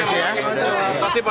terima kasih pak